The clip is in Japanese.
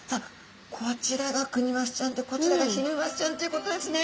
こちらがクニマスちゃんでこちらがヒメマスちゃんということですね。